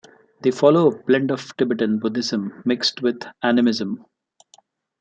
They follow a blend of Tibetan Buddhism mixed with animism.